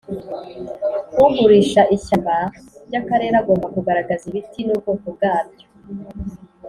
Ugurisa ishyamba ry Akarere agomba kugaragaza ibiti n’ubwoko bwabyo